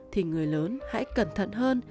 thì người lớn hãy cẩn thận hơn